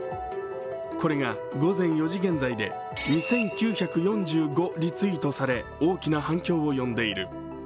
これが午前４時現在で２９４５リツイートされ大きな反響を呼んでいる。